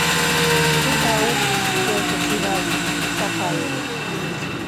— Шке палет, — келшыш Ивай Сапаевич.